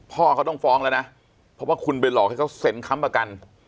พ่อเขาต้องฟ้องแล้วนะเพราะว่าคุณไปหลอกให้เขาเซ็นค้ำประกัน